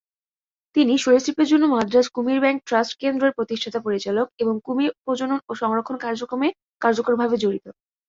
তিনি 'সরীসৃপের জন্য মাদ্রাজ কুমির ব্যাংক ট্রাস্ট কেন্দ্র'-এর প্রতিষ্ঠাতা-পরিচালক, এবং কুমির প্রজনন ও সংরক্ষণ কার্যক্রমে কার্যকরভাবে জড়িত।